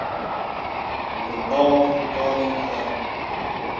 li bav û kalên xwe